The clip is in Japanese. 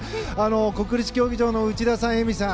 国立競技場の内田さん、絵美さん